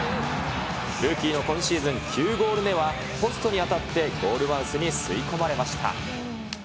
ルーキーの今シーズン９ゴール目はポストに当たってゴールマウスに吸い込まれました。